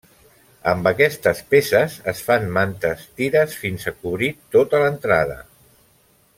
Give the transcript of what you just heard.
Amb aquestes peces es fan mantes tires fins a cobrir tota l'entrada.